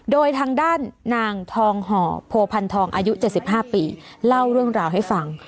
โดยทางด้านนางทองห่อโพพันธองอายุ๗๕ปีเล่าเรื่องราวให้ฟัง